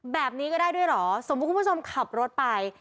แบบนี้ก็ได้ด้วยเหรอสมมุติคุณผู้ชมขับรถไป